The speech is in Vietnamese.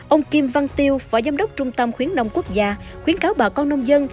ông kim văn tiêu phó giám đốc trung tâm khuyến nông quốc gia khuyến cáo bà con nông dân